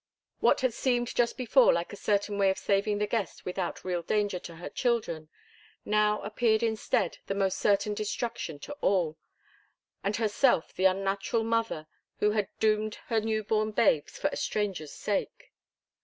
What had seemed just before like a certain way of saving the guest without real danger to her children, now appeared instead the most certain destruction to all, and herself the unnatural mother who had doomed her new born babes for a stranger's sake.